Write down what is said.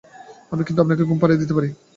আমি কিন্তু আপনাকে ঘুম পাড়িয়ে দিতে পারি।